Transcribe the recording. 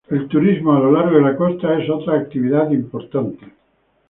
El turismo a lo largo de la costa es otra actividad importante.